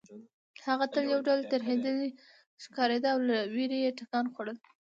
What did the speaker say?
هغه تل یو ډول ترهېدلې ښکارېده او له وېرې یې ټکان خوړل